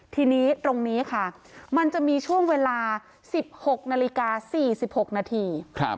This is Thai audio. ทีนี้ตรงนี้ค่ะมันจะมีช่วงเวลา๑๖นาฬิกา๔๖นาที